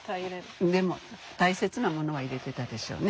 大切なものは入れてたでしょうね。